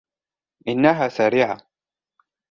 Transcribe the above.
إنها سريعة.